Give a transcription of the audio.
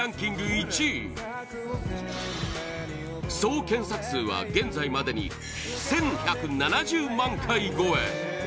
１位総検索数は現在までに１１７０万回超え